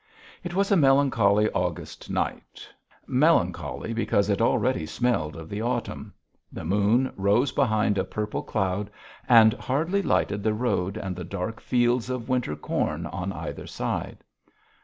It was a melancholy August night melancholy because it already smelled of the autumn: the moon rose behind a purple cloud and hardly lighted the road and the dark fields of winter corn on either side.